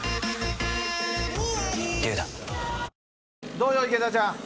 どうよ、池田ちゃん。